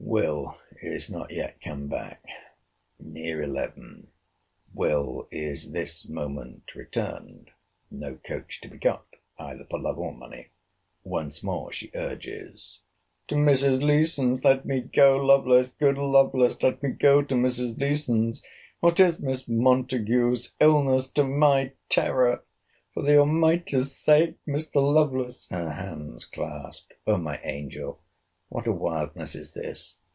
Will. is not yet come back. Near eleven. Will. is this moment returned. No coach to be got, either for love or money. Once more she urges—to Mrs. Leeson's, let me go, Lovelace! Good Lovelace, let me go to Mrs. Leeson's? What is Miss Montague's illness to my terror?— For the Almighty's sake, Mr. Lovelace!—her hands clasped. O my angel! What a wildness is this!